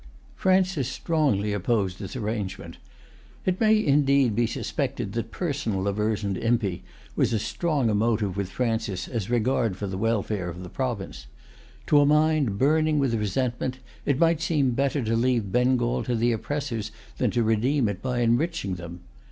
Francis strongly opposed this arrangement. It may,[Pg 174] indeed, be suspected that personal aversion to Impey was as strong a motive with Francis as regard for the welfare of the province. To a mind burning with resentment, it might seem better to leave Bengal to the oppressors than to redeem it by enriching them.